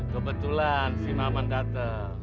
kebetulan si mamandate